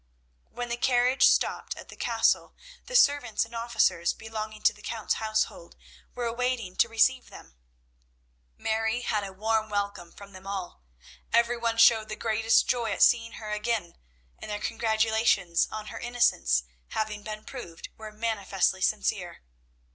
When the carriage stopped at the Castle, the servants and officers belonging to the Count's household were waiting to receive them. Mary had a warm welcome from them all. Every one showed the greatest joy at seeing her again, and their congratulations on her innocence having been proved were manifestly sincere.